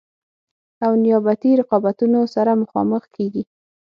او نیابتي رقابتونو سره مخامخ کیږي.